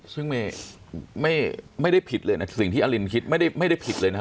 ซึ่งไม่ไม่ไม่ได้ผิดเลยนะสิ่งที่อลินคิดไม่ได้ไม่ได้ผิดเลยนะ